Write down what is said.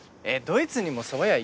ドイツにもそば屋